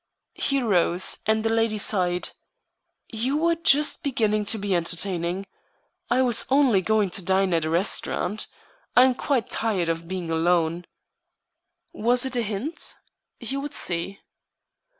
He rose, and the lady sighed: "You were just beginning to be entertaining. I was only going to dine at a restaurant. I am quite tired of being alone." Was it a hint? He would see.